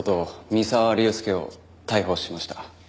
三沢龍介を逮捕しました。